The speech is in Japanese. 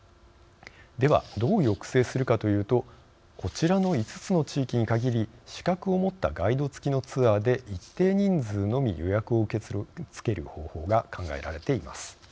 では、どう抑制するかというとこちらの５つの地域に限り資格を持ったガイド付きのツアーで一定人数のみ予約を受け付ける方法が考えられています。